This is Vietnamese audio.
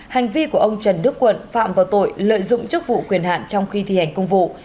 hành vi của ông trần đức quận phạm vào tội lợi dụng chức vụ quyền hạn trong khi thi hành công vụ